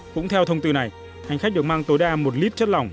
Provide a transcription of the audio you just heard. cũng theo thông tư này hành khách được mang tối đa một lít chất lỏng